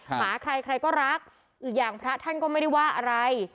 หมาใครใครก็รักอีกอย่างพระท่านก็ไม่ได้ว่าอะไร